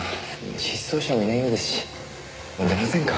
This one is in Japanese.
失踪者もいないようですしもう出ませんか？